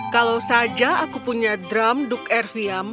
kalau saja aku punya dram duk erfiam